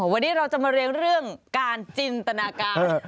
วันนี้เราจะมาเรียงเรื่องการจินตนาการ